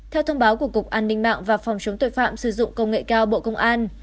theo thông báo của cục an ninh mạng và phòng chống tội phạm sử dụng công nghệ cao bộ công an